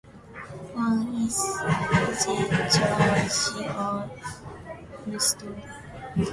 One is George Armstrong.